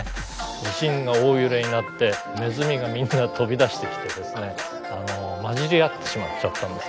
地震が大揺れになってネズミがみんな飛び出してきてですね交じり合ってしまっちゃったんですね。